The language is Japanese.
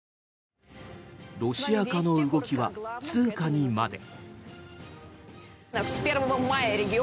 ロシア化の動きは通貨にまで。